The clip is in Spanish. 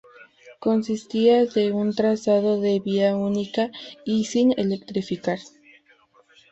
Consistía de un trazado de vía única y sin electrificar.